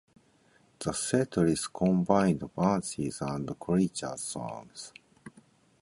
The setlists combined Banshees and Creatures songs.